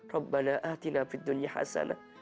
rabbana atina fid dunya hasanah